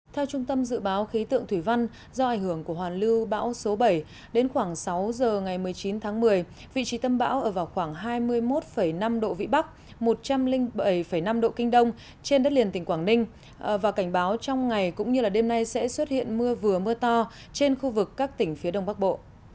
theo trung tâm dự báo khí tượng thủy văn do ảnh hưởng của hoàn lưu bão số bảy đến khoảng sáu giờ ngày một mươi chín tháng một mươi vị trí tâm bão ở vào khoảng hai mươi một năm độ vĩ bắc một trăm linh bảy năm độ kinh đông trên đất liền tỉnh quảng ninh và cảnh báo trong ngày cũng như đêm nay sẽ xuất hiện mưa vừa mưa to trên khu vực các tỉnh phía đông bắc bộ